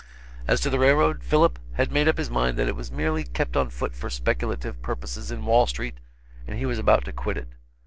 As to the railroad, Philip had made up his mind that it was merely kept on foot for speculative purposes in Wall street, and he was about to quit it.